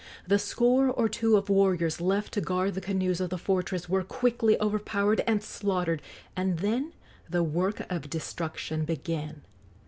The score or two of warriors left to guard the canoes of the fortress were quickly overpowered and slaughtered, and then the work of destruction began.